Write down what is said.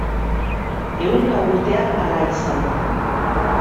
Ehunka urtean hala izan da.